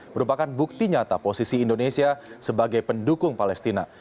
merupakan bukti nyata posisi indonesia sebagai pendukung palestina